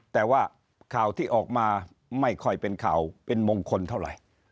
แต่ว่าข่าวที่ออกมาไม่ค่อยเป็นข่าวเป็นมงคลเท่าไหร่